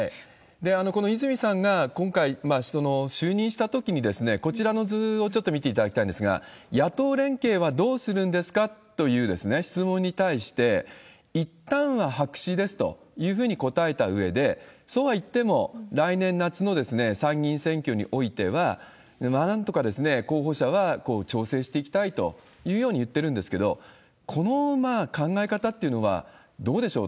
この泉さんが今回、就任したときに、こちらの図をちょっと見ていただきたいんですが、野党連携はどうするんですか？という質問に対して、いったんは白紙ですというふうに答えたうえで、そうはいっても、来年夏の参議院選挙においては、なんとか候補者は調整していきたいというように言ってるんですけど、この考え方っていうのは、どうでしょう？